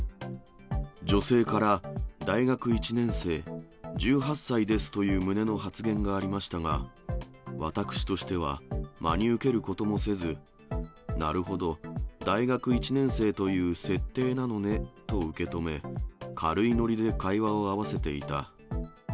女性から、大学１年生、１８歳ですという旨の発言がありましたが、私としては、真に受けることもせず、なるほど、大学１年生という設定なのねと受け止め、軽い乗りで会話を合わせていた。